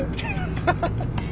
ハハハ！